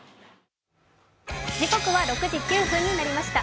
時刻は６時９分になりました